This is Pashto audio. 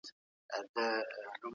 کیدای شي د بل چا دعا تاسو بریالي